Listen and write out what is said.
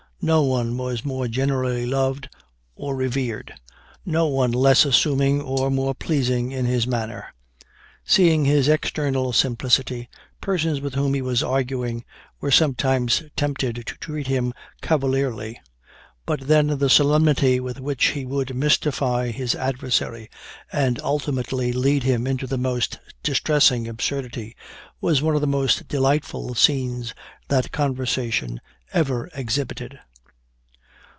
No one was more generally loved or revered; no one less assuming or more pleasing in his manner. Seeing his external simplicity, persons with whom he was arguing were sometimes tempted to treat him cavalierly; but then the solemnity with which he would mystify his adversary, and ultimately lead him into the most distressing absurdity was one of the most delightful scenes that conversation ever exhibited."